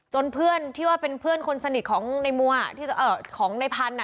เพื่อนที่ว่าเป็นเพื่อนคนสนิทของในมัวของในพันธุ์